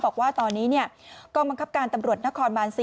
บอกว่าตอนนี้กองบังคับการตำรวจนครบาน๔